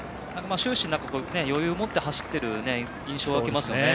終始、余裕を持って走っている印象は受けますよね。